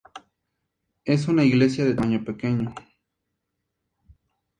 Es una iglesia de tamaño pequeño.